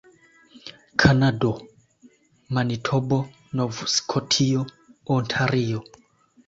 Kanado: Manitobo, Nov-Skotio, Ontario.